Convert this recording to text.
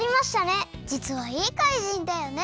じつはいいかいじんだよね。